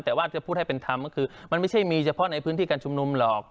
แต่ว่าจะพูดให้เป็นธรรมก็คือมันไม่ใช่มีเฉพาะในพื้นที่การชุมนุมหรอก